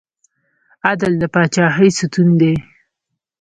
عدل د پاچاهۍ ستون دی